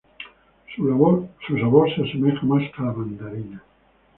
Su sabor se asemeja más a la mandarina.